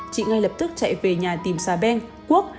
chị ngay lập tức chạy về nhà tìm xà beng quốc